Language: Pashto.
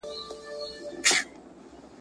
او سره له هغه چي تقر یباً ټول عمر یې `